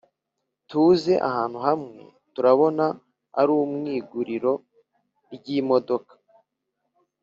tuze ahantu hamwe turabona arimwiguriro ryimodoka